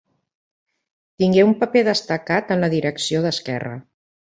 Tingué un paper destacat en la direcció d'Esquerra.